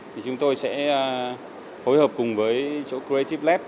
thì chúng tôi sẽ phối hợp cùng với chỗ creative lab